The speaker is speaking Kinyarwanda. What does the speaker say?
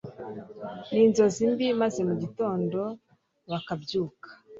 n’inzozi mbi, maze mugitondo bakabyuka